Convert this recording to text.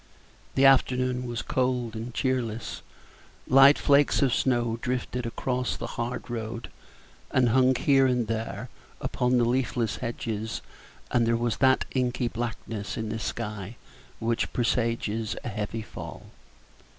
The afternoon was cold and cheerless; light flakes of snow drifted across the hard road, and hung here and there upon the leafless hedges, and there was that inky blackness in the sky which presages a heavy fall.